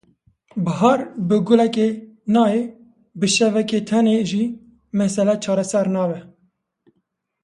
Bihar bi gulekê nayê bi şeveke tenê jî mesele çareser nabe.